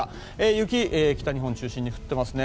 雪、北日本中心に降っていますね。